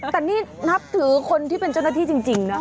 แต่นี่นับถือคนที่เป็นเจ้าหน้าที่จริงนะ